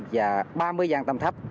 và ba mươi giàn tầm thấp